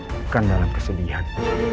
bukan dalam kesedihan